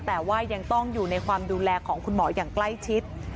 แต่ว่ายังต้องอยู่ในความดูแลของคุณหมออย่างใกล้ชิด